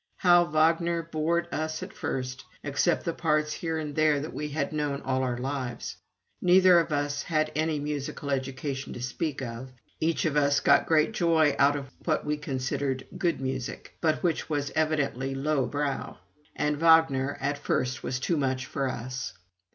How Wagner bored us at first except the parts here and there that we had known all our lives. Neither of us had had any musical education to speak of; each of us got great joy out of what we considered "good" music, but which was evidently low brow. And Wagner at first was too much for us.